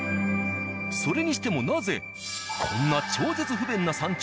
それにしてもなぜこんな超絶とその時。